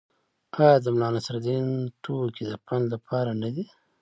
آیا د ملانصرالدین ټوکې د پند لپاره نه دي؟